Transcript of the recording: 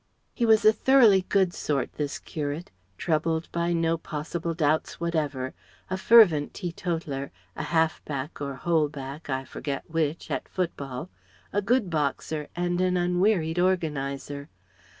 He was a thoroughly good sort, this curate, troubled by no possible doubts whatever, a fervent tee totaller, a half back or whole back I forget which at football, a good boxer, and an unwearied organizer.